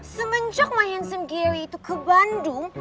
semenjak my handsome gary itu ke bandung